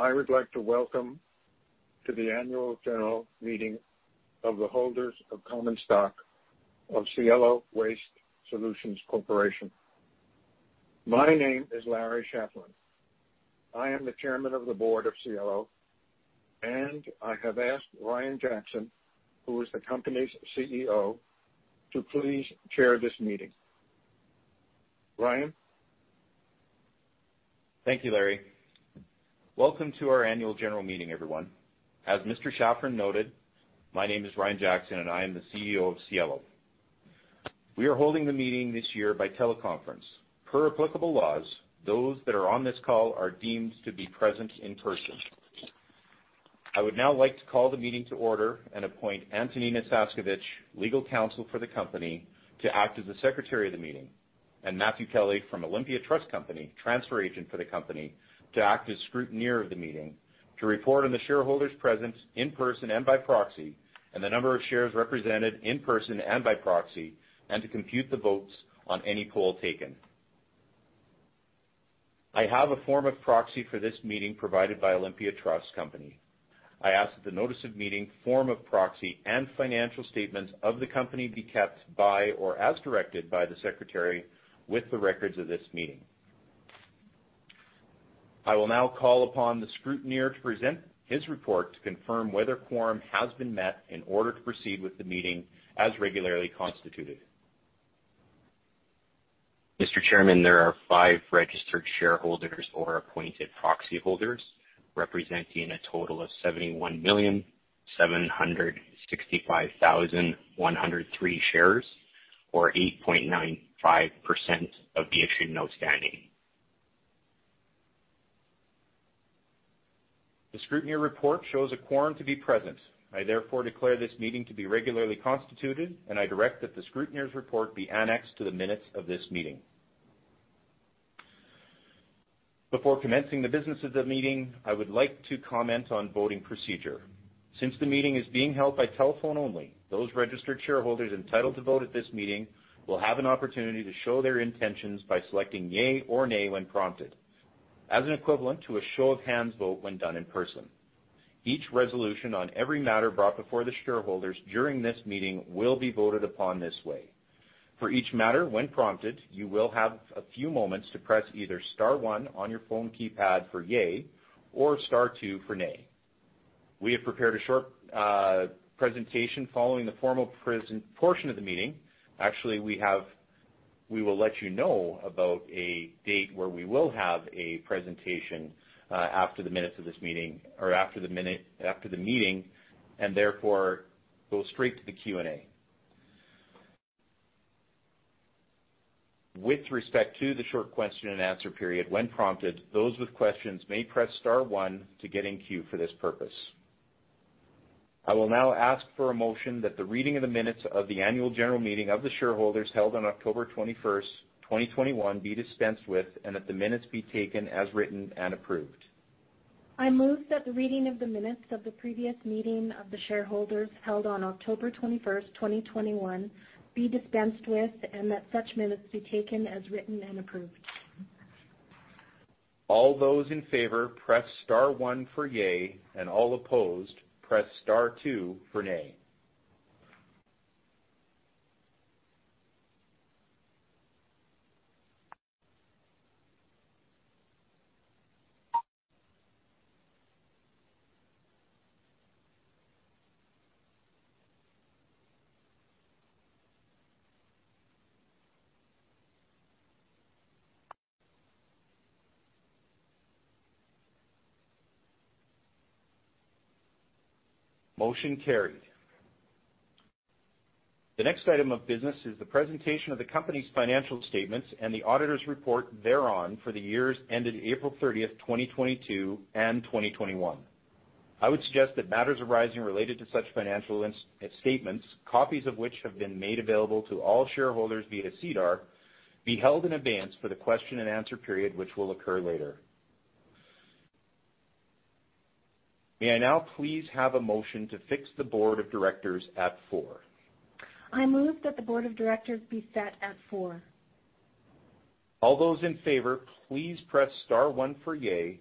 I would like to welcome to the annual general meeting of the holders of common stock of Cielo Waste Solutions Corp. My name is Larry Schafran. I am the Chairman of the board of Cielo, and I have asked Ryan Jackson, who is the company's CEO, to please chair this meeting. Ryan. Thank you, Larry. Welcome to our annual general meeting, everyone. As Mr. Schafran noted, my name is Ryan Jackson, and I am the CEO of Cielo. We are holding the meeting this year by teleconference. Per applicable laws, those that are on this call are deemed to be present in person. I would now like to call the meeting to order and appoint Anthony Nasaskevitch, legal counsel for the company, to act as the secretary of the meeting. Matthew Kelly from Olympia Trust Company, transfer agent for the company, to act as scrutineer of the meeting to report on the shareholders present in person and by proxy, and the number of shares represented in person and by proxy, and to compute the votes on any poll taken. I have a form of proxy for this meeting provided by Olympia Trust Company. I ask that the notice of meeting, form of proxy, and financial statements of the company be kept by or as directed by the secretary with the records of this meeting. I will now call upon the scrutineer to present his report to confirm whether quorum has been met in order to proceed with the meeting as regularly constituted. Mr. Chairman, there are five registered shareholders or appointed proxy holders representing a total of 71,765,103 shares or 8.95% of the issue outstanding. The scrutineer report shows a quorum to be present. I therefore declare this meeting to be regularly constituted, and I direct that the scrutineer's report be annexed to the minutes of this meeting. Before commencing the business of the meeting, I would like to comment on voting procedure. Since the meeting is being held by telephone only, those registered shareholders entitled to vote at this meeting will have an opportunity to show their intentions by selecting yay or nay when prompted, as an equivalent to a show of hands vote when done in person. Each resolution on every matter brought before the shareholders during this meeting will be voted upon this way. For each matter when prompted, you will have a few moments to press either star one on your phone keypad for yea or star two for nay. We have prepared a short presentation following the formal portion of the meeting. Actually, we will let you know about a date where we will have a presentation after the minutes of this meeting or after the meeting, and therefore go straight to the Q&A. With respect to the short question and answer period when prompted, those with questions may press star one to get in queue for this purpose. I will now ask for a motion that the reading of the minutes of the annual general meeting of the shareholders held on October 21st, 2021 be dispensed with and that the minutes be taken as written and approved. I move that the reading of the minutes of the previous meeting of the shareholders held on October 21st, 2021 be dispensed with and that such minutes be taken as written and approved. All those in favor press star one for yay, and all opposed press star two for nay. Motion carried. The next item of business is the presentation of the company's financial statements and the auditor's report thereon for the years ended April 30th, 2022 and 2021. I would suggest that matters arising related to such financial statements, copies of which have been made available to all shareholders via SEDAR, be held in advance for the question and answer period, which will occur later. May I now please have a motion to fix the board of directors at 4:00 PM? I move that the board of directors be set at 4:00 PM All those in favor, please press star one for yea,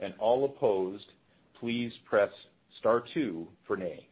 and all opposed, please press star two for nay.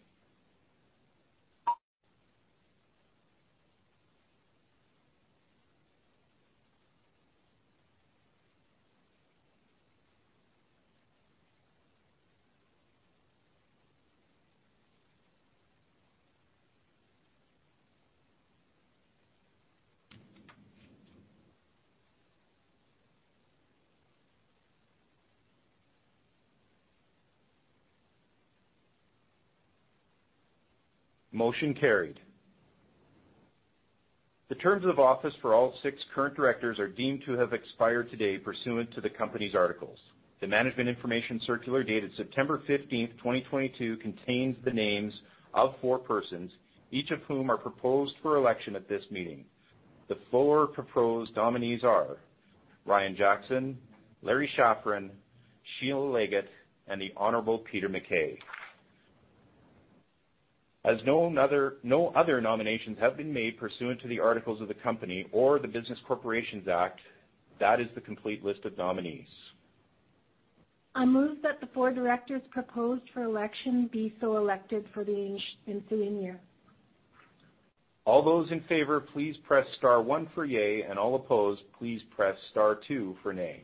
Motion carried. The terms of office for all six current directors are deemed to have expired today pursuant to the company's articles. The Management Information Circular dated September fifteenth, 2022, contains the names of four persons, each of whom are proposed for election at this meeting. The four proposed nominees are Ryan Jackson, Larry Schafran, Sheila Leggett, and the Honorable Peter MacKay. As no other nominations have been made pursuant to the articles of the company or the Business Corporations Act, that is the complete list of nominees. I move that the four directors proposed for election be so elected for the ensuing year. All those in favor, please press star one for yay, and all opposed, please press star two for nay.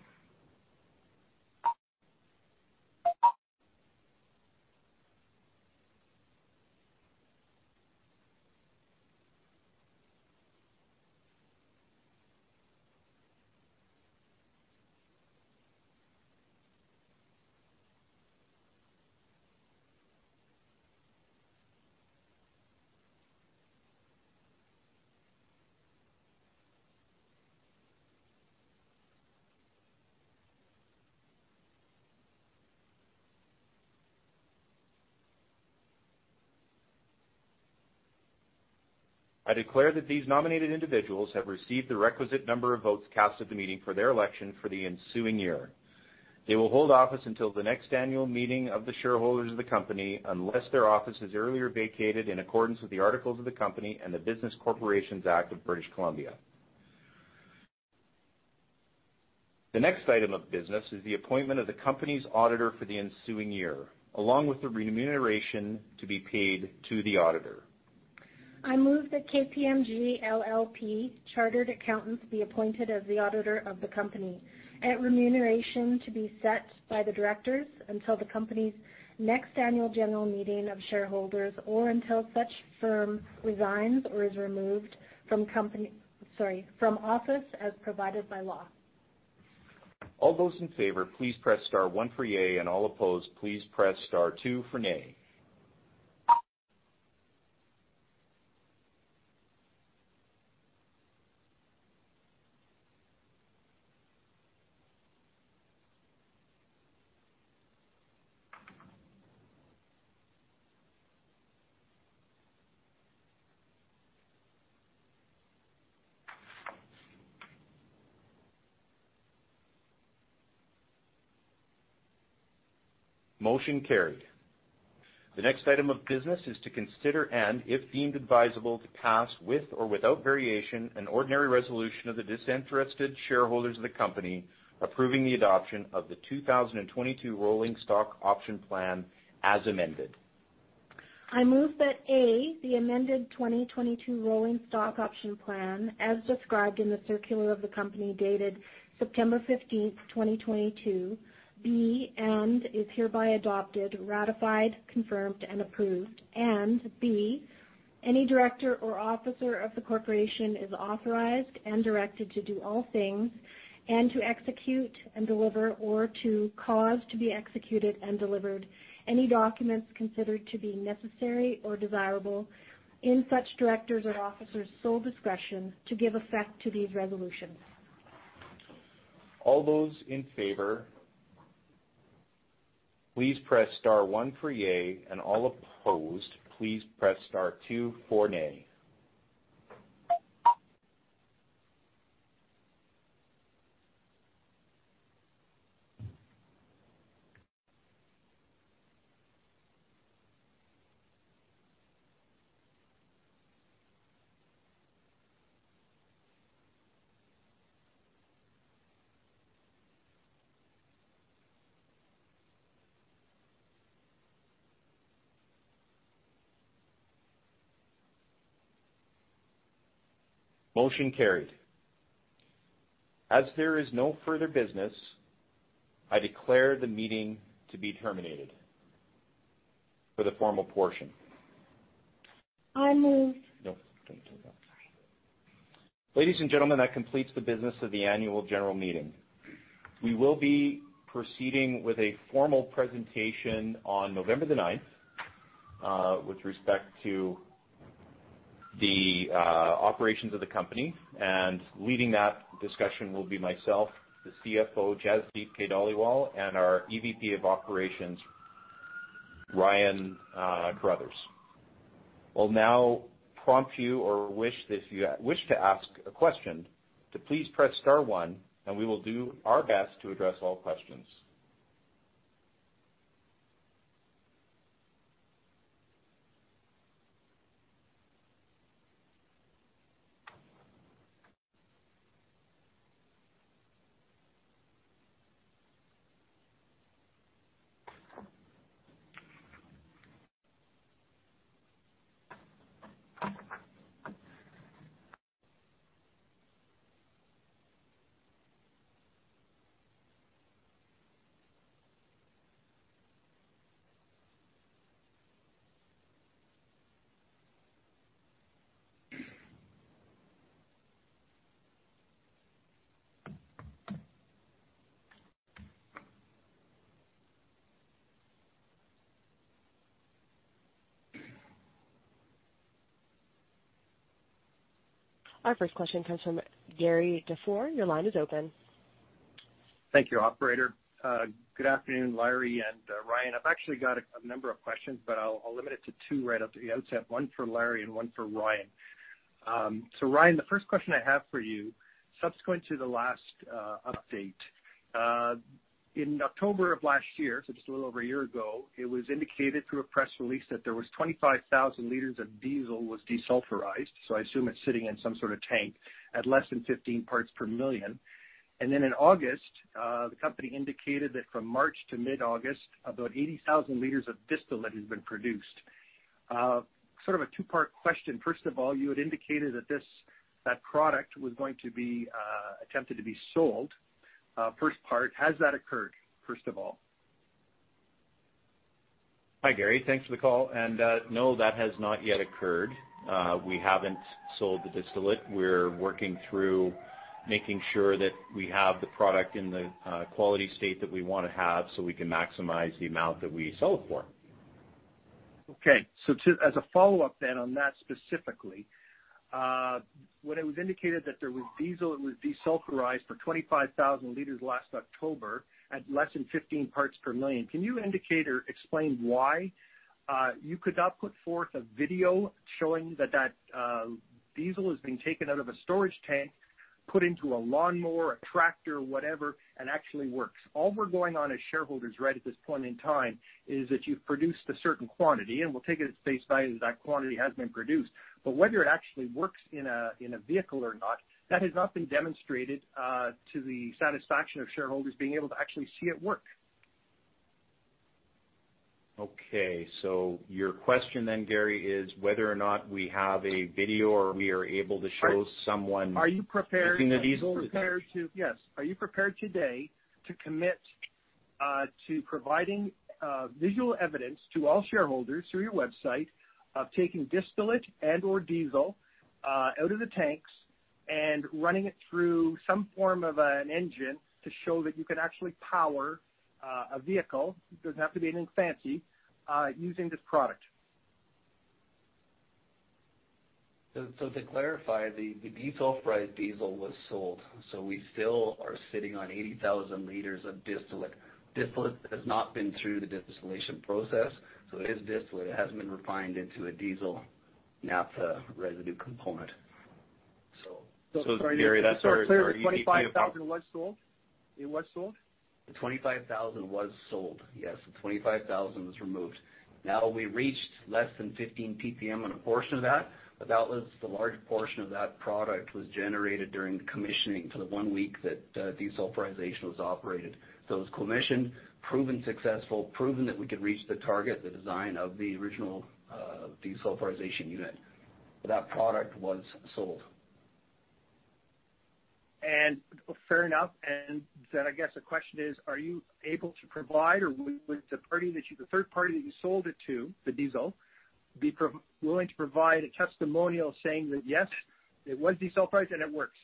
I declare that these nominated individuals have received the requisite number of votes cast at the meeting for their election for the ensuing year. They will hold office until the next annual meeting of the shareholders of the company, unless their office is earlier vacated in accordance with the articles of the company and the Business Corporations Act of British Columbia. The next item of business is the appointment of the company's auditor for the ensuing year, along with the remuneration to be paid to the auditor. I move that KPMG LLP Chartered Accountants be appointed as the auditor of the company and remuneration to be set by the directors until the company's next annual general meeting of shareholders or until such firm resigns or is removed from office as provided by law. All those in favor, please press star one for yay, and all opposed, please press star two for nay. Motion carried. The next item of business is to consider, and if deemed advisable, to pass, with or without variation, an ordinary resolution of the disinterested shareholders of the company approving the adoption of the 2022 rolling stock option plan as amended. I move that A, the amended 2022 rolling stock option plan, as described in the circular of the company dated September 15th, 2022, B, and is hereby adopted, ratified, confirmed, and approved, and B, any director or officer of the corporation is authorized and directed to do all things and to execute and deliver or to cause to be executed and delivered any documents considered to be necessary or desirable in such directors' or officers' sole discretion to give effect to these resolutions. All those in favor, please press star one for yay, and all opposed, please press star two for nay. Motion carried. As there is no further business, I declare the meeting to be terminated for the formal portion. I move. No, don't do that. Sorry. Ladies and gentlemen, that completes the business of the annual general meeting. We will be proceeding with a formal presentation on November the ninth with respect to the operations of the company, and leading that discussion will be myself, the CFO, Jasdeep K. Dhaliwal, and our EVP of Operations, Ryan Carruthers. We'll now prompt you, if you wish to ask a question, to please press star one, and we will do our best to address all questions. Our first question comes from Gary Defore. Your line is open. Thank you, operator. Good afternoon, Larry and Ryan. I've actually got a number of questions, but I'll limit it to two right off the outset, one for Larry and one for Ryan. Ryan, the first question I have for you, subsequent to the last update in October of last year, so just a little over a year ago, it was indicated through a press release that there was 25,000 liters of diesel was desulfurized. I assume it's sitting in some sort of tank at less than 15 parts per million. In August, the company indicated that from March to mid-August, about 80,000 liters of distillate has been produced. Sort of a two-part question. First of all, you had indicated that product was going to be attempted to be sold. First part, has that occurred, first of all? Hi, Gary. Thanks for the call. No, that has not yet occurred. We haven't sold the distillate. We're working through making sure that we have the product in the quality state that we wanna have so we can maximize the amount that we sell it for. Okay. As a follow-up then on that specifically, when it was indicated that there was diesel that was desulfurized for 25,000 L last October at less than 15 parts per million, can you indicate or explain why you could not put forth a video showing that diesel is being taken out of a storage tank, put into a lawnmower, a tractor, whatever, and actually works. All we're going on as shareholders right at this point in time is that you've produced a certain quantity, and we'll take it at face value that quantity has been produced. But whether it actually works in a vehicle or not, that has not been demonstrated to the satisfaction of shareholders being able to actually see it work. Okay. Your question then, Gary, is whether or not we have a video or we are able to show someone using the diesel? Are you prepared to Yes. Are you prepared today to commit to providing visual evidence to all shareholders through your website of taking distillate and/or diesel out of the tanks and running it through some form of an engine to show that you can actually power a vehicle. It doesn't have to be anything fancy using this product? To clarify, the desulfurized diesel was sold, so we still are sitting on 80,000 L of distillate. Distillate that has not been through the distillation process, so it is distillate. It hasn't been refined into a diesel naphtha residue component. Gary, that's our. Just to be clear, the 25,000 was sold? It was sold? The 25,000 was sold. Yes. The 25,000 was removed. Now we reached less than 15 PPM on a portion of that, but that was the large portion of that product was generated during the commissioning for the one week that desulfurization was operated. It was commissioned, proven successful, proven that we could reach the target, the design of the original desulfurization unit. That product was sold. Fair enough. Then I guess the question is, are you able to provide or would the third party that you sold it to, the diesel, be willing to provide a testimonial saying that, yes, it was desulfurized and it works?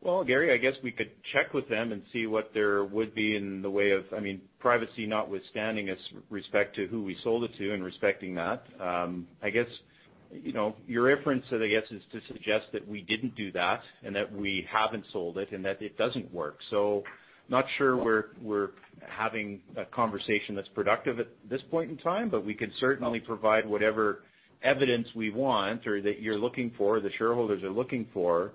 Well, Gary, I guess we could check with them and see what there would be in the way of, I mean, privacy notwithstanding with respect to who we sold it to and respecting that. I guess, you know, your inference, I guess, is to suggest that we didn't do that and that we haven't sold it and that it doesn't work. Not sure we're having a conversation that's productive at this point in time, but we can certainly provide whatever evidence we want or that you're looking for, the shareholders are looking for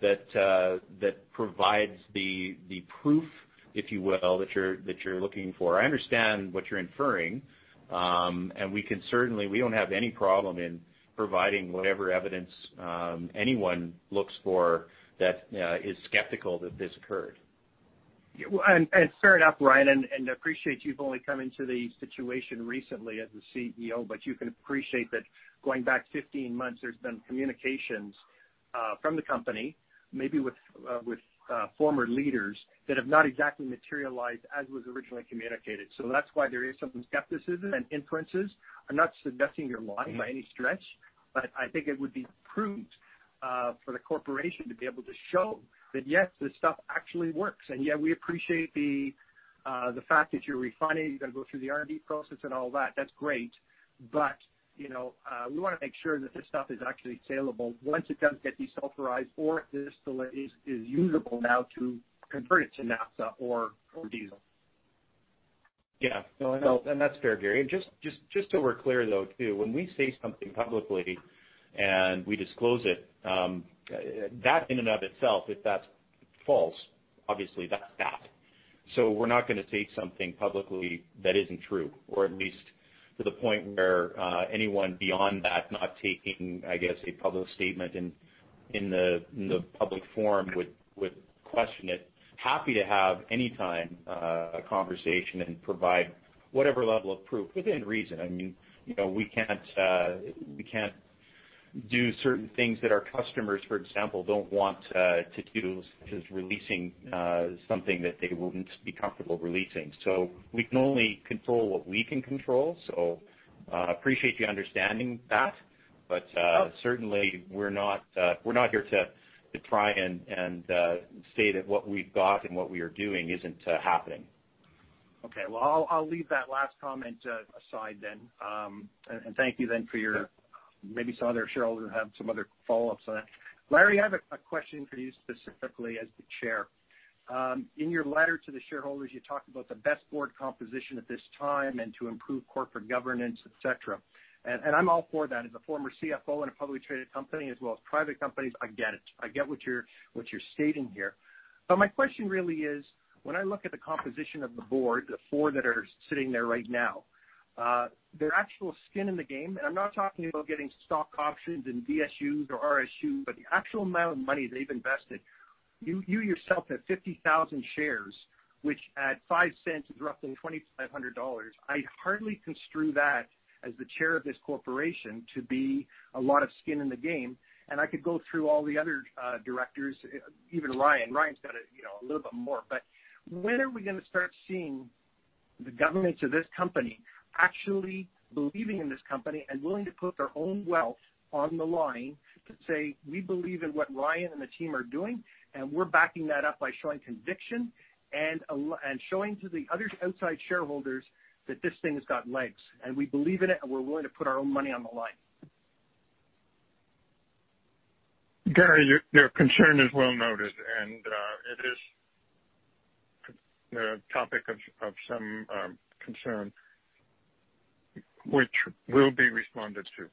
that provides the proof, if you will, that you're looking for. I understand what you're inferring. We don't have any problem in providing whatever evidence anyone looks for that is skeptical that this occurred. Yeah. Well, fair enough, Ryan, appreciate you've only come into the situation recently as the CEO, but you can appreciate that going back 15 months, there's been communications from the company, maybe with former leaders that have not exactly materialized as was originally communicated. That's why there is some skepticism and inferences. I'm not suggesting you're lying by any stretch, but I think it would be prudent for the corporation to be able to show that, yes, this stuff actually works. Yeah, we appreciate the fact that you're refining, you gotta go through the R&D process and all that. That's great. You know, we wanna make sure that this stuff is actually saleable once it does get desulfurized or if distillate is usable now to convert it to naphtha or diesel. Yeah. No, I know, and that's fair, Gary. Just so we're clear though too, when we say something publicly and we disclose it, that in and of itself, if that's false, obviously that's that. We're not gonna say something publicly that isn't true, or at least to the point where anyone beyond that not taking, I guess, a public statement in the public forum would question it. Happy to have anytime a conversation and provide whatever level of proof within reason. I mean, you know, we can't do certain things that our customers, for example, don't want to do, such as releasing something that they wouldn't be comfortable releasing. We can only control what we can control. Appreciate you understanding that. Certainly we're not here to try and say that what we've got and what we are doing isn't happening. Okay. Well, I'll leave that last comment aside then. Thank you then for your. Maybe some other shareholders have some other follow-ups on that. Larry, I have a question for you specifically as the chair. In your letter to the shareholders, you talked about the best board composition at this time and to improve corporate governance, et cetera. I'm all for that. As a former CFO in a publicly traded company as well as private companies, I get it. I get what you're stating here. My question really is, when I look at the composition of the board, the four that are sitting there right now, their actual skin in the game, and I'm not talking about getting stock options and DSU or RSU, but the actual amount of money they've invested. You yourself have 50,000 shares, which at 0.05 is roughly 2,500 dollars. I hardly construe that as the Chair of this corporation to be a lot of skin in the game. I could go through all the other directors, even Ryan. Ryan's got a, you know, a little bit more. When are we gonna start seeing the management of this company actually believing in this company and willing to put their own wealth on the line to say, "We believe in what Ryan and the team are doing, and we're backing that up by showing conviction and showing to the other outside shareholders that this thing has got legs, and we believe in it, and we're willing to put our own money on the line. Gary, your concern is well noted, and it is a topic of some concern which will be responded to.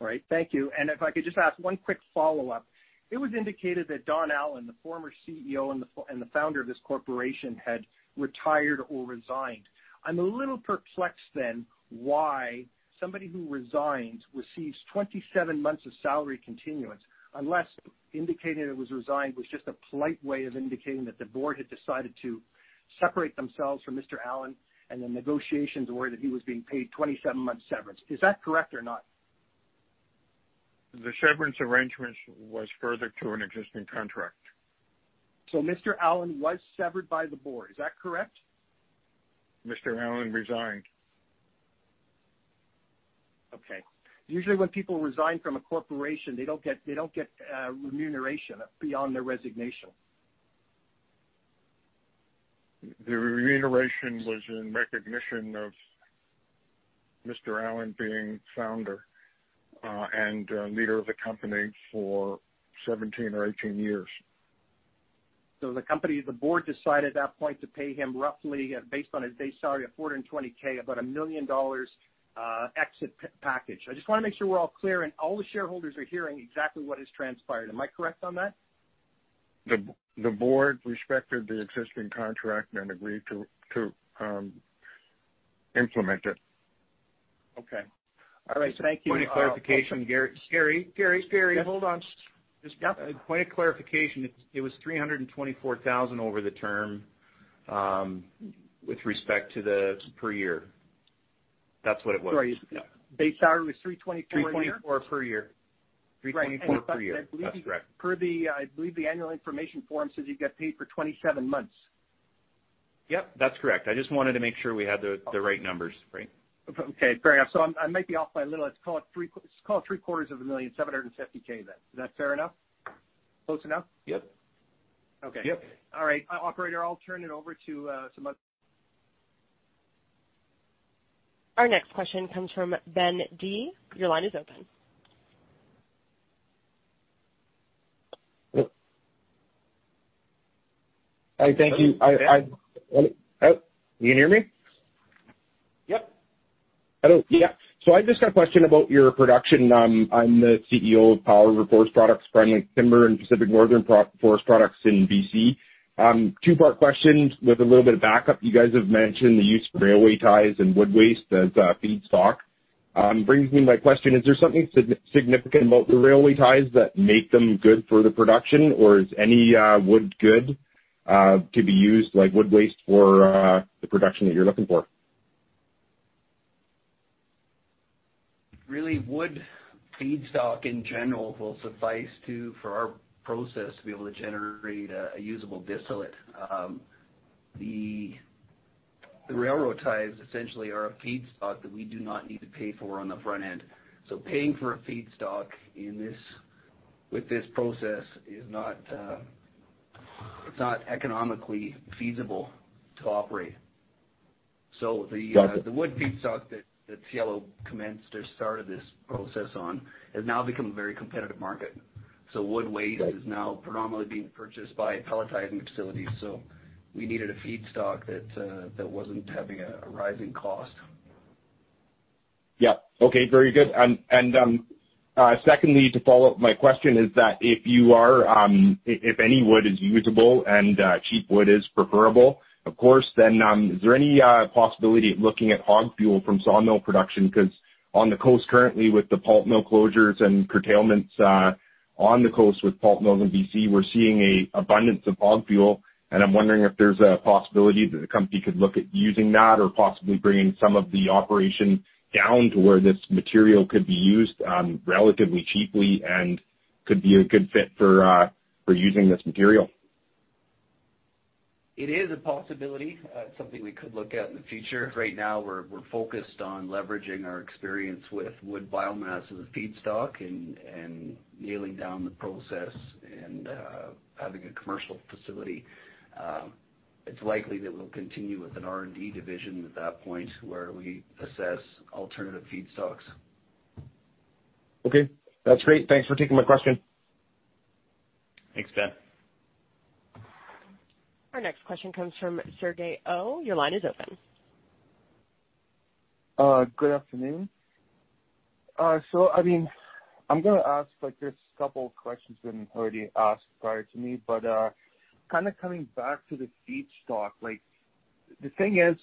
All right. Thank you. If I could just ask one quick follow-up. It was indicated that Don Allan, the former CEO and the founder of this corporation, had retired or resigned. I'm a little perplexed then why somebody who resigned receives 27 months of salary continuance unless indicating it was resigned was just a polite way of indicating that the board had decided to separate themselves from Mr. Allan and the negotiations were that he was being paid 27 months severance. Is that correct or not? The severance arrangement was further to an existing contract. Mr. Allan was severed by the board. Is that correct? Mr. Allan resigned. Okay. Usually when people resign from a corporation, they don't get remuneration beyond their resignation. The remuneration was in recognition of Mr. Allan being founder and leader of the company for 17 or 18 years. The company, the board decided at that point to pay him roughly, based on his base salary of 420 000, about 1 million dollars exit package. I just wanna make sure we're all clear and all the shareholders are hearing exactly what has transpired. Am I correct on that? The board respected the existing contract and agreed to implement it. Okay. All right. Thank you. Point of clarification, Gary. Gary, hold on. Yeah? Point of clarification. It was 324 000 over the term, with respect to the per year. That's what it was. Sorry. Base salary was 324 000 a year? 324 per year. That's correct. Per the, I believe the annual information form says he got paid for 27 months. Yep, that's correct. I just wanted to make sure we had the right numbers right. Okay, fair enough. I might be off by a little. Let's call it 3/4 of a million 750 000 then. Is that fair enough? Close enough? Yep. Okay. Yep. All right. Operator, I'll turn it over to some other- Our next question comes from Ben D. Your line is open. I thank you. Oh, can you hear me? Yep. Hello. Yeah. I've just got a question about your production. I'm the CEO of Power Forest Products, primarily timber and Pacific Northern Pro-Forest Products in BC. Two-part questions with a little bit of backup. You guys have mentioned the use of railway ties and wood waste as feedstock. Brings me to my question, is there something significant about the railway ties that make them good for the production? Or is any wood good to be used like wood waste for the production that you're looking for? Really, wood feedstock in general will suffice for our process to be able to generate a usable distillate. The railroad ties essentially are a feedstock that we do not need to pay for on the front end. Paying for a feedstock in this, with this process is not, it's not economically feasible to operate. Got it. The wood feedstock that Cielo commenced or started this process on has now become a very competitive market. Wood waste Right. Is now predominantly being purchased by pelletizing facilities. We needed a feedstock that wasn't having a rising cost. Yeah. Okay. Very good. Secondly, to follow up my question is that if any wood is usable and cheap wood is preferable, of course, then is there any possibility of looking at hog fuel from sawmill production? Because on the coast currently with the pulp mill closures and curtailments, on the coast with pulp mills in BC, we're seeing an abundance of hog fuel. I'm wondering if there's a possibility that the company could look at using that or possibly bringing some of the operation down to where this material could be used relatively cheaply and could be a good fit for using this material. It is a possibility. It's something we could look at in the future. Right now we're focused on leveraging our experience with wood biomass as a feedstock and nailing down the process and having a commercial facility. It's likely that we'll continue with an R&D division at that point where we assess alternative feedstocks. Okay, that's great. Thanks for taking my question. Thanks, Ben. Our next question comes from Sergei O. Your line is open. Good afternoon. I mean, I'm gonna ask, like, there's a couple of questions been already asked prior to me, but kind of coming back to the feedstock. Like, the thing is,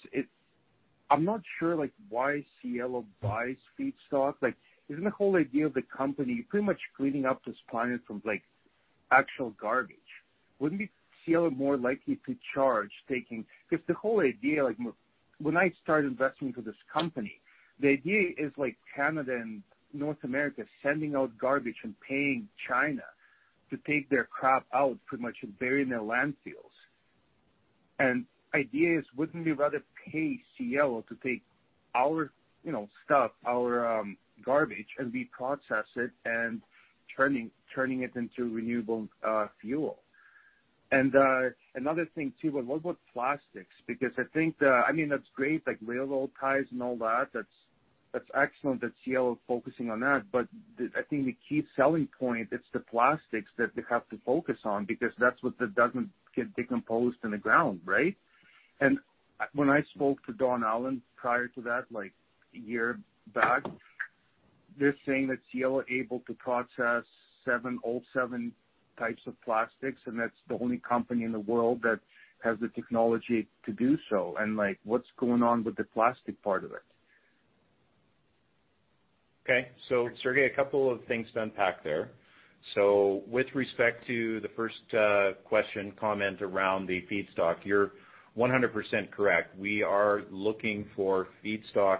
I'm not sure, like, why Cielo buys feedstock. Like, isn't the whole idea of the company pretty much cleaning up this planet from, like, actual garbage? Wouldn't Cielo be more likely to charge taking. If the whole idea when I started investing into this company, the idea is like Canada and North America sending out garbage and paying China to take their crap out pretty much and bury in their landfills. Idea is, wouldn't we rather pay Cielo to take our, you know, stuff, our garbage, and we process it and turning it into renewable fuel. Another thing too. What about plastics? Because I think, I mean, that's great, like railroad ties and all that. That's excellent that Cielo is focusing on that. I think the key selling point is the plastics that they have to focus on because that's what, that doesn't get decomposed in the ground, right? When I spoke to Don Allan prior to that, like a year back, they're saying that Cielo are able to process all seven types of plastics, and that's the only company in the world that has the technology to do so. Like, what's going on with the plastic part of it? Okay. Sergei, a couple of things to unpack there. With respect to the first question, comment around the feedstock. You're 100% correct. We are looking for feedstock.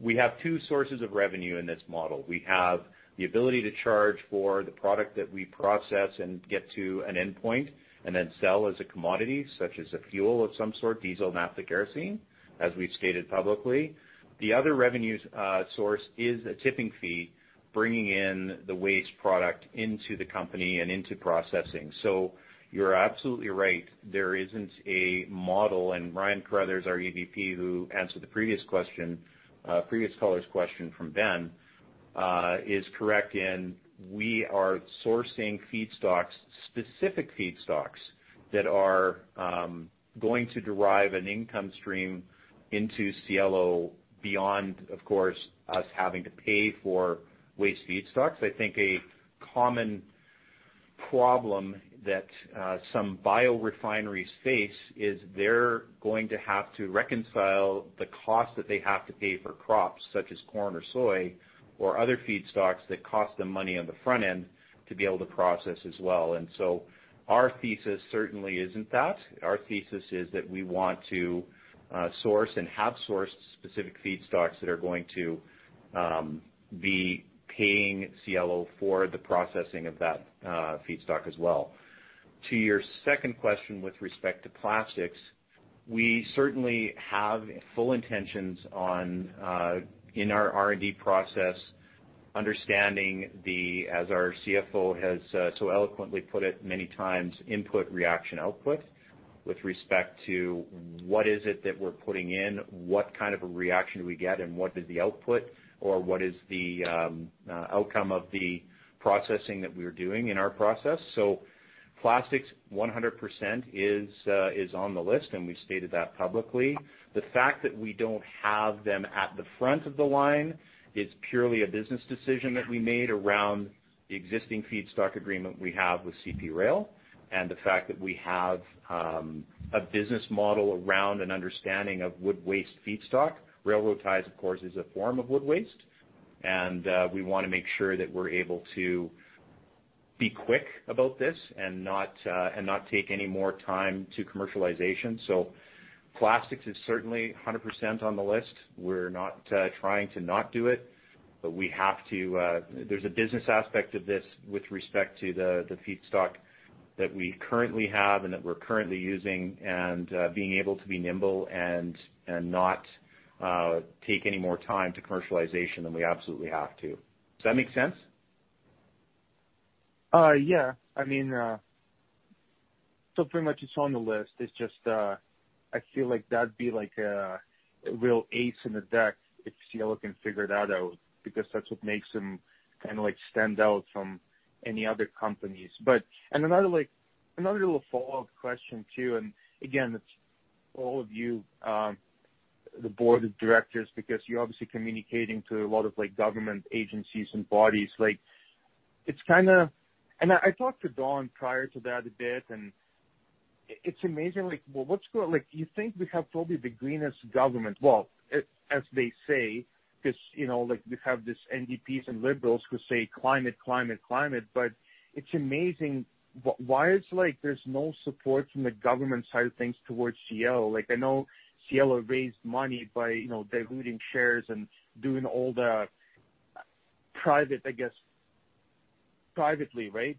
We have two sources of revenue in this model. We have the ability to charge for the product that we process and get to an endpoint and then sell as a commodity such as a fuel of some sort, diesel, naphtha, kerosene, as we've stated publicly. The other revenues source is a tipping fee, bringing in the waste product into the company and into processing. You're absolutely right. There isn't a model. Ryan Carruthers, our EVP, who answered the previous question, previous caller's question from Ben, is correct in we are sourcing feedstocks, specific feedstocks that are going to derive an income stream into Cielo beyond, of course, us having to pay for waste feedstocks. I think a common problem that some biorefineries face is they're going to have to reconcile the cost that they have to pay for crops such as corn or soy or other feedstocks that cost them money on the front end to be able to process as well. Our thesis certainly isn't that. Our thesis is that we want to source and have sourced specific feedstocks that are going to be paying Cielo for the processing of that feedstock as well. To your second question with respect to plastics, we certainly have full intentions on in our R&D process, understanding the as our CFO has so eloquently put it many times, input, reaction, output with respect to what is it that we're putting in, what kind of a reaction do we get and what is the output or what is the outcome of the processing that we're doing in our process. Plastics 100% is on the list, and we've stated that publicly. The fact that we don't have them at the front of the line is purely a business decision that we made around the existing feedstock agreement we have with CP Rail and the fact that we have a business model around an understanding of wood waste feedstock. Railroad ties, of course, is a form of wood waste. We wanna make sure that we're able to be quick about this and not take any more time to commercialization. Plastics is certainly 100% on the list. We're not trying to not do it, but we have to. There's a business aspect of this with respect to the feedstock that we currently have and that we're currently using and being able to be nimble and not take any more time to commercialization than we absolutely have to. Does that make sense? Yeah. I mean, so pretty much it's on the list. It's just, I feel like that'd be like a real ace in the deck if Cielo can figure that out because that's what makes them kinda like stand out from any other companies. Another little follow-up question too, and again, it's all of you, the board of directors because you're obviously communicating to a lot of like government agencies and bodies. I talked to Don prior to that a bit, and it's amazing. Like you think we have probably the greenest government. Well, as they say, because, you know, like we have these NDPs and Liberals who say climate, climate. It's amazing why it's like there's no support from the government side of things towards Cielo. Like I know Cielo raised money by, you know, diluting shares and doing all the private, I guess, privately, right?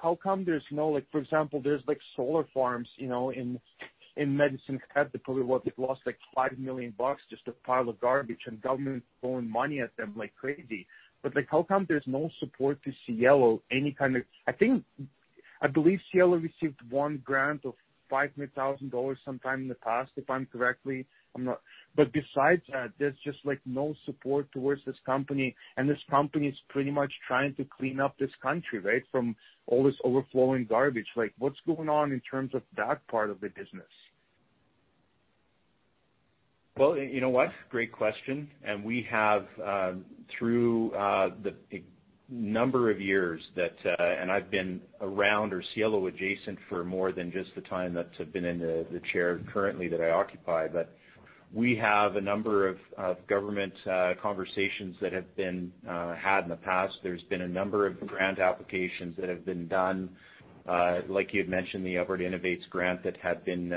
How come there's no support? Like, for example, there's like solar farms, you know, in Medicine Hat that probably what they've lost like 5 million bucks just a pile of garbage and government throwing money at them like crazy. Like how come there's no support to Cielo, any kind of? I believe Cielo received one grant of 50 thousand dollars sometime in the past, if I'm correct. Besides that, there's just, like, no support towards this company, and this company is pretty much trying to clean up this country, right? From all this overflowing garbage. Like, what's going on in terms of that part of the business? Well, you know what? Great question. We have through a number of years that I've been around or Cielo adjacent for more than just the time that I've been in the chair currently that I occupy. We have a number of government conversations that have been had in the past. There's been a number of grant applications that have been done. Like you had mentioned, the Alberta Innovates grant that had been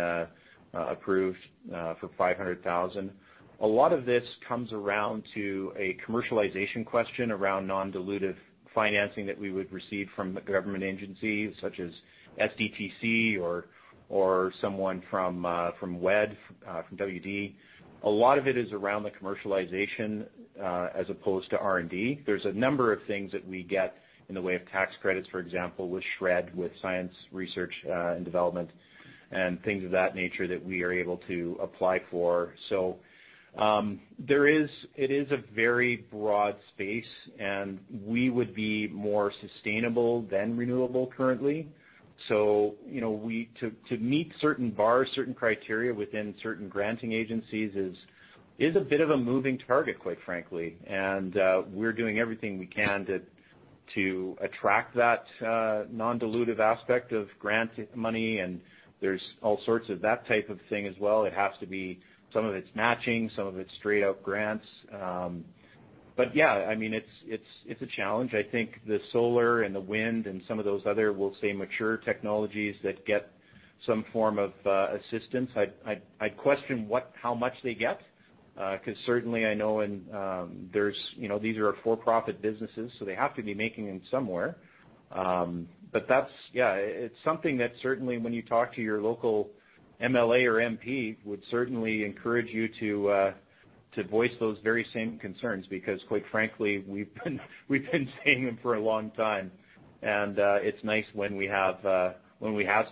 approved for 500,000. A lot of this comes down to a commercialization question around non-dilutive financing that we would receive from government agencies such as SDTC or someone from WED or from WD. A lot of it is around the commercialization as opposed to R&D. There's a number of things that we get in the way of tax credits, for example, with SR&ED, with science, research, and development and things of that nature that we are able to apply for. It is a very broad space, and we would be more sustainable than renewable currently. You know, to meet certain bars, certain criteria within certain granting agencies is a bit of a moving target, quite frankly. We're doing everything we can to attract that non-dilutive aspect of grant money. There's all sorts of that type of thing as well. It has to be. Some of it's matching, some of it's straight up grants. Yeah, I mean, it's a challenge. I think the solar and the wind and some of those other, we'll say, mature technologies that get some form of assistance. I'd question what how much they get, 'cause certainly I know and there's, you know, these are for profit businesses, so they have to be making them somewhere. That's, yeah, it's something that certainly when you talk to your local MLA or MP, would certainly encourage you to voice those very same concerns. Because quite frankly, we've been saying them for a long time. It's nice when we have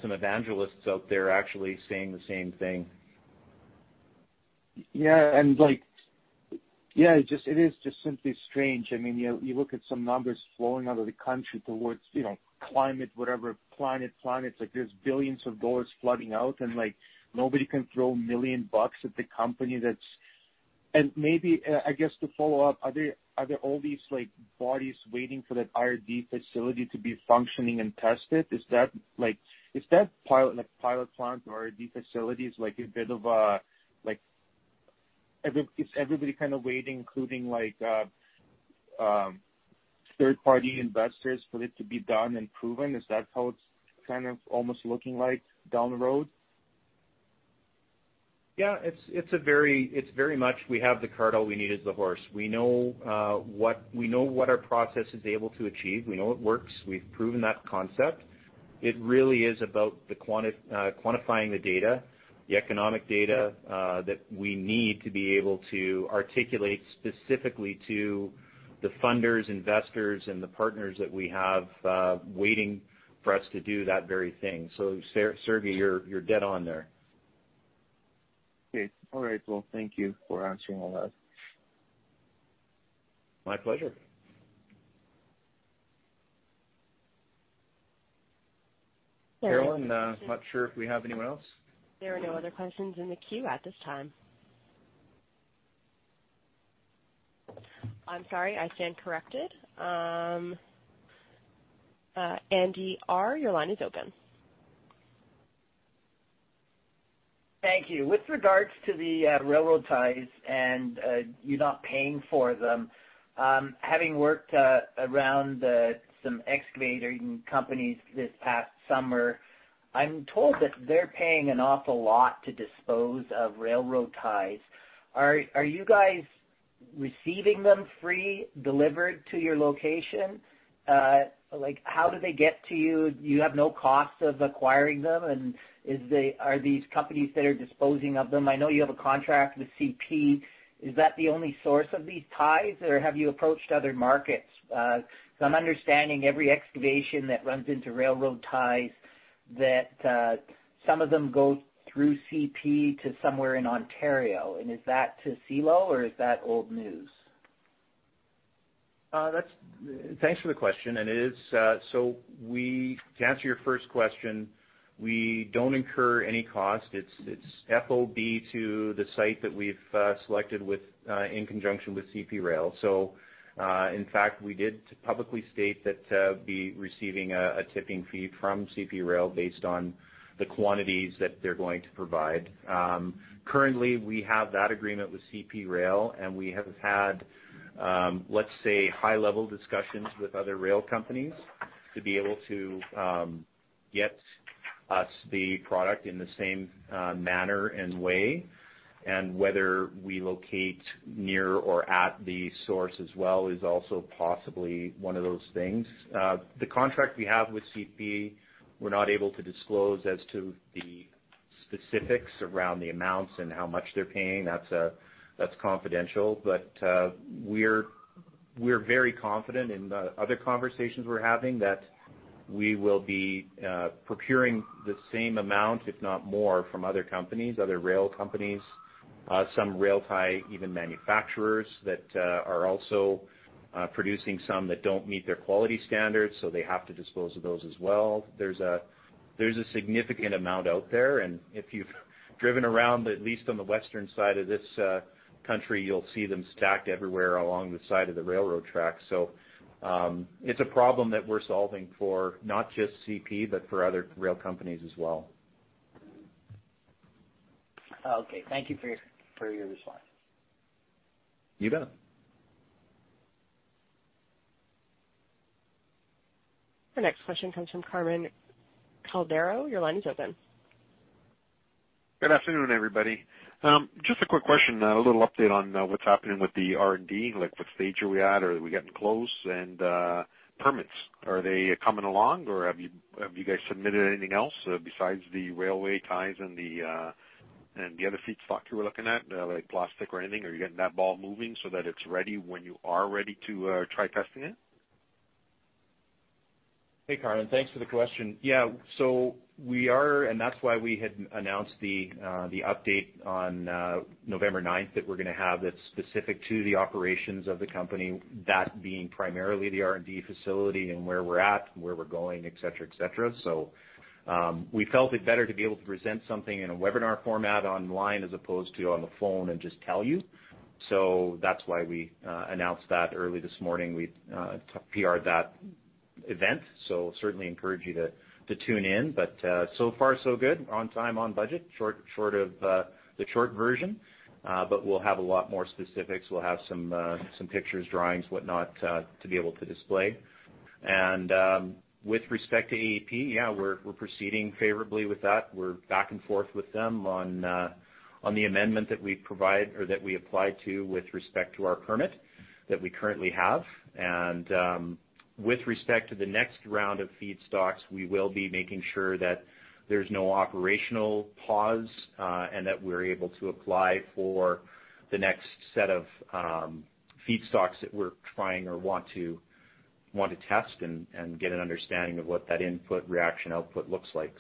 some evangelists out there actually saying the same thing. Yeah. Like, yeah, it just is simply strange. I mean, you look at some numbers flowing out of the country towards, you know, climate, whatever, climate. Like, there are billions of Canadian dollars flooding out and, like, nobody can throw 1 million bucks at the company that's. Maybe, I guess to follow up, are there all these, like, bodies waiting for that R&D facility to be functioning and tested? Is that, like, is that pilot, like, pilot plant or R&D facilities, like, a bit of a, like. Is everybody kind of waiting, including, like, third party investors for it to be done and proven? Is that how it's kind of almost looking like down the road? Yeah, it's very much we have the cart, all we need is the horse. We know what our process is able to achieve. We know it works. We've proven that concept. It really is about quantifying the data, the economic data, that we need to be able to articulate specifically to the funders, investors, and the partners that we have waiting for us to do that very thing. Sergei, you're dead on there. Okay. All right. Well, thank you for answering all that. My pleasure. Carolyn, I'm not sure if we have anyone else. There are no other questions in the queue at this time. I'm sorry. I stand corrected. Andy R., your line is open. Thank you. With regards to the railroad ties and you not paying for them, having worked around some excavating companies this past summer, I'm told that they're paying an awful lot to dispose of railroad ties. Are you guys receiving them free delivered to your location? Like, how do they get to you? Do you have no cost of acquiring them? Are these companies that are disposing of them? I know you have a contract with CP. Is that the only source of these ties, or have you approached other markets? So I'm understanding every excavation that runs into railroad ties that some of them go through CP to somewhere in Ontario. Is that to Cielo or is that old news? Thanks for the question. To answer your first question, we don't incur any cost. It's FOB to the site that we've selected with in conjunction with CP Rail. In fact, we did publicly state that we'll be receiving a tipping fee from CP Rail based on the quantities that they're going to provide. Currently, we have that agreement with CP Rail, and we have had, let's say, high-level discussions with other rail companies to be able to get us the product in the same manner and way. Whether we locate near or at the source as well is also possibly one of those things. The contract we have with CP, we're not able to disclose as to the specifics around the amounts and how much they're paying, that's confidential. We're very confident in the other conversations we're having that we will be procuring the same amount, if not more, from other companies, other rail companies, some rail tie even manufacturers that are also producing some that don't meet their quality standards, so they have to dispose of those as well. There's a significant amount out there, and if you've driven around, at least on the western side of this country, you'll see them stacked everywhere along the side of the railroad tracks. It's a problem that we're solving for not just CP, but for other rail companies as well. Okay. Thank you for your response. You bet. The next question comes from Carmen Caldero. Your line is open. Good afternoon, everybody. Just a quick question, a little update on what's happening with the R&D. Like, what stage are we at, or are we getting close? Permits, are they coming along, or have you guys submitted anything else besides the railway ties and the other feedstock you were looking at, like plastic or anything? Are you getting that ball moving so that it's ready when you are ready to try testing it? Hey, Carmen. Thanks for the question. Yeah, we are, and that's why we had announced the update on November ninth that we're gonna have that's specific to the operations of the company, that being primarily the R&D facility and where we're at, where we're going, et cetera, et cetera. We felt it better to be able to present something in a webinar format online as opposed to on the phone and just tell you. That's why we announced that early this morning. We PR'd that event, so certainly encourage you to tune in. So far so good, on time, on budget, short of the short version. We'll have a lot more specifics. We'll have some pictures, drawings, whatnot, to be able to display. With respect to AEP, yeah, we're proceeding favorably with that. We're back and forth with them on the amendment that we provide or that we applied to with respect to our permit that we currently have. With respect to the next round of feedstocks, we will be making sure that there's no operational pause and that we're able to apply for the next set of feedstocks that we're trying or want to test and get an understanding of what that input reaction output looks like.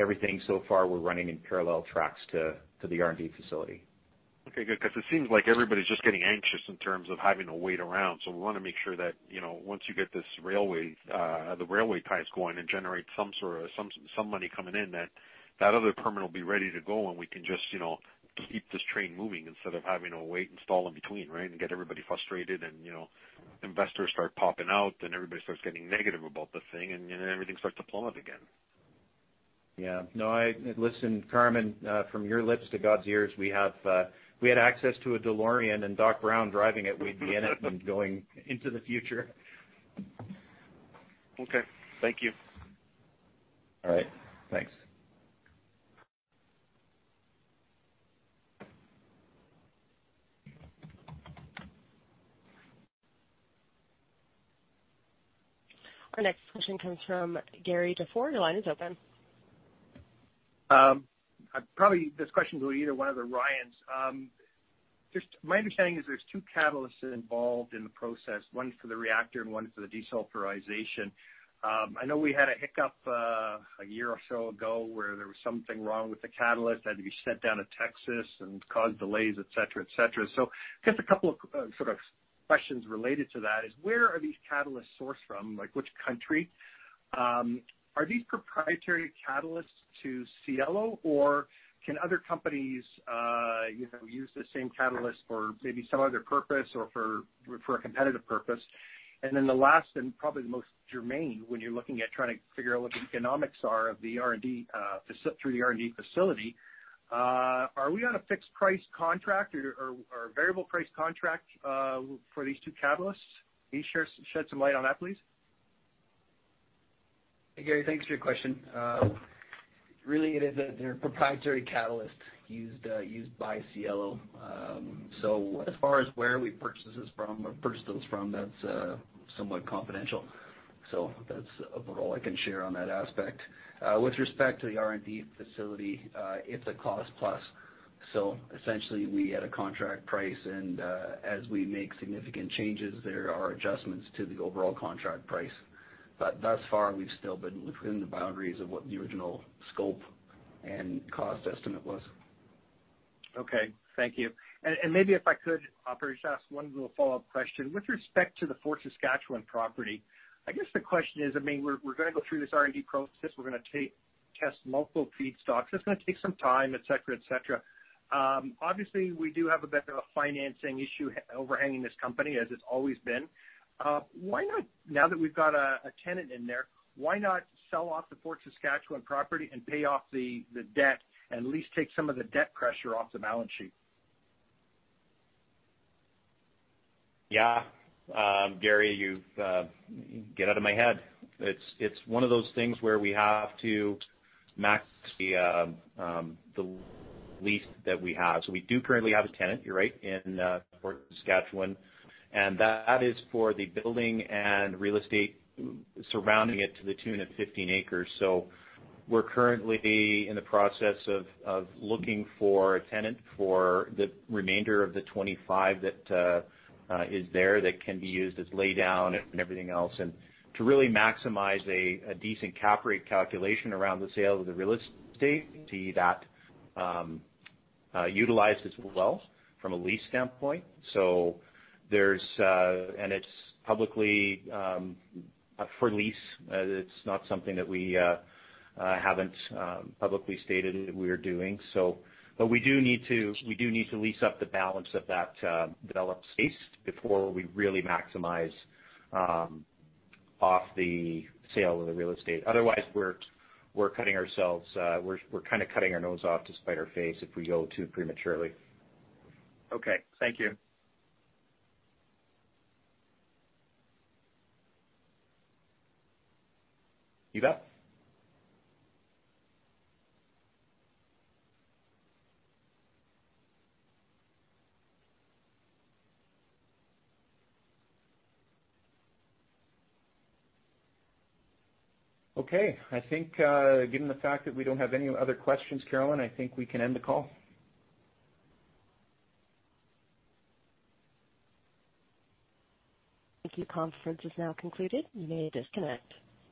Everything so far, we're running in parallel tracks to the R&D facility. Okay, good, 'cause it seems like everybody's just getting anxious in terms of having to wait around. We wanna make sure that, you know, once you get this railway, the railway ties going and generate some sort of some money coming in, that other permit will be ready to go and we can just, you know, keep this train moving instead of having to wait and stall in between, right? Get everybody frustrated and, you know, investors start popping out, and everybody starts getting negative about the thing, and everything starts to plummet again. Yeah. No, Listen, Carmen, from your lips to God's ears, we have, if we had access to a DeLorean and Doc Brown driving it, we'd be in it and going into the future. Okay. Thank you. All right. Thanks. Our next question comes from Gary Defore. Your line is open. Probably this question goes to either one of the Ryans. Just my understanding is there's two catalysts involved in the process, one for the reactor and one for the desulfurization. I know we had a hiccup, a year or so ago where there was something wrong with the catalyst, had to be sent down to Texas and caused delays, et cetera. Just a couple of sort of questions related to that is where are these catalysts sourced from, like which country? Are these proprietary catalysts to Cielo, or can other companies, you know, use the same catalyst for maybe some other purpose or for a competitive purpose? The last and probably the most germane when you're looking at trying to figure out what the economics are of the R&D through the R&D facility, are we on a fixed price contract or a variable price contract for these two catalysts? Can you shed some light on that, please? Hey, Gary. Thanks for your question. Really, it is their proprietary catalyst used by Cielo. As far as where we purchase this from or purchase those from, that's somewhat confidential. That's about all I can share on that aspect. With respect to the R&D facility, it's a cost plus. Essentially we had a contract price and as we make significant changes, there are adjustments to the overall contract price. Thus far, we've still been within the boundaries of what the original scope and cost estimate was. Okay. Thank you. Maybe if I could, I'll probably just ask one little follow-up question. With respect to the Fort Saskatchewan property, I guess the question is, I mean, we're gonna go through this R&D process, we're gonna test multiple feedstocks. It's gonna take some time, et cetera, et cetera. Obviously we do have a bit of a financing issue overhanging this company as it's always been. Why not, now that we've got a tenant in there, why not sell off the Fort Saskatchewan property and pay off the debt and at least take some of the debt pressure off the balance sheet? Yeah. Gary, you've got out of my head. It's one of those things where we have to max the lease that we have. We do currently have a tenant, you're right, in Fort Saskatchewan, and that is for the building and real estate surrounding it to the tune of 15 acres. We're currently in the process of looking for a tenant for the remainder of the 25 that is there that can be used as lay down and everything else. To really maximize a decent cap rate calculation around the sale of the real estate, to that utilized as well from a lease standpoint. There's, and it's publicly up for lease. It's not something that we haven't publicly stated we are doing. We do need to lease up the balance of that developed space before we really maximize off the sale of the real estate. Otherwise, we're kinda cutting our nose off to spite our face if we go too prematurely. Okay. Thank you. You bet. Okay, I think, given the fact that we don't have any other questions, Carolyn, I think we can end the call. Thank you. Conference is now concluded. You may disconnect.